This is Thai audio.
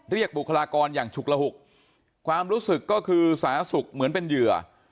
บุคลากรอย่างฉุกระหุกความรู้สึกก็คือสาธารณสุขเหมือนเป็นเหยื่อ